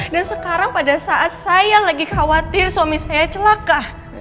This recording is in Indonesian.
dan sekarang pada saat saya lagi khawatir suami saya celaka